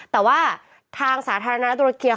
แต่ว่าทางสาธารณะตุรเกีย